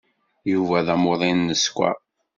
Yuba d amuḍin n sskeṛ.